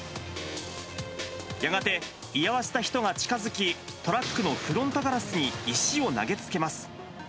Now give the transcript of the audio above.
やがて居合わせた人が近づき、トラックのフロントガラスに石を投げつけます。